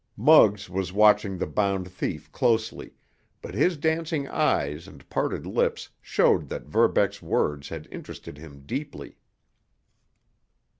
Muggs was watching the bound thief closely, but his dancing eyes and parted lips showed that Verbeck's words had interested him deeply.